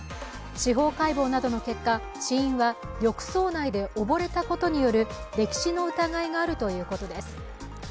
司法解剖などの結果、死因は浴槽内で溺れたことによる溺死の疑いがあるということです。